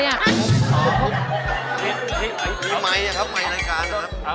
มีไม้ไม้รายการครับ